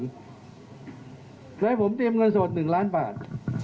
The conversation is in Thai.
ก็ให้ผมเตรียมเงินส่วน๑ล้านบาท